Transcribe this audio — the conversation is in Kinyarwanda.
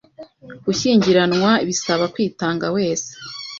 Gushyingiranwa bisaba kwitanga wese